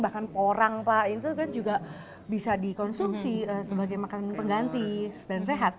bahkan porang pak itu kan juga bisa dikonsumsi sebagai makanan pengganti dan sehat